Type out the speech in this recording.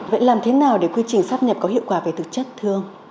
vậy làm thế nào để quy trình sáp nhập có hiệu quả về thực chất thương